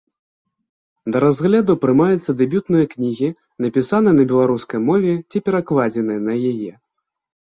Да разгляду прымаюцца дэбютныя кнігі, напісаныя на беларускай мове ці перакладзеныя на яе.